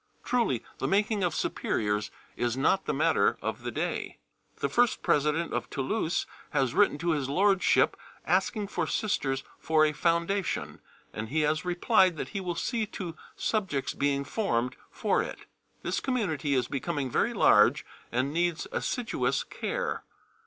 Truly the making of Superiors is not the matter of a day. The First President of Toulouse has written to his Lordship asking for Sisters for a foundation, and he has replied that he will see to subjects being formed for it. This community is becoming very large, and needs assiduous care.